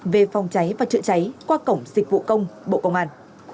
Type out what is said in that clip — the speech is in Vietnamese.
về phòng cháy và chữa cháy qua cổng dịch vụ công bộ công an